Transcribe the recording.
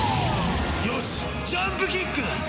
よしジャンプキックだ！